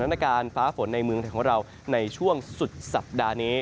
ฝรั่งการฟ้าฝนในเมืองในช่วงสุดสัปดาห์นี้